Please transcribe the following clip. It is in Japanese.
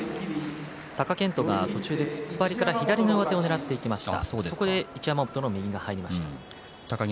貴健斗が突っ張りから左の上手をねらっていきました。